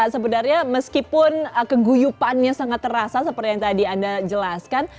sebenarnya meskipun keguyupannya sangat terasa seperti yang tadi anda jelaskan